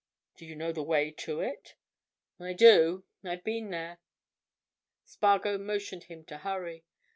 "Do you know the way to it?" "I do—I've been there." Spargo motioned him to hurry.